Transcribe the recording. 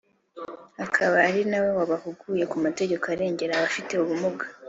akaba ari nawe wabahuguye ku mategeko arengera abafite ubumuga